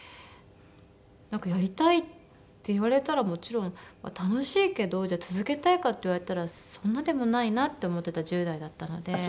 なんかやりたいって言われたらもちろん楽しいけどじゃあ続けたいかって言われたらそんなでもないなって思ってた１０代だったので。